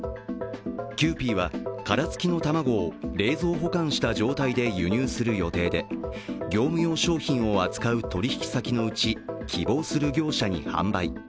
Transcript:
キユーピーは殻付きの卵を冷蔵保管した状態で輸入する予定で業務用商品を扱う取引先のうち希望する業者に販売。